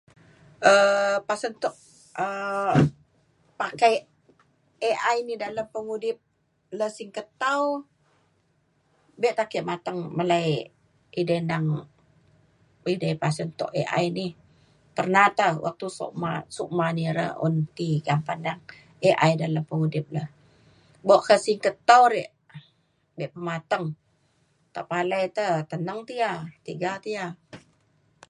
um pasen tok um pakai AI ni dalem pengudip le singget tau bek te ake mateng melai idai nang idai pasen tok AI ni. Pernah te waktu Sukma Sukma ni rai un ti ka padang AI dalam pengudip le bok ka si ketau rek bek mateng te palai te teneng ti ya um tiga te ya.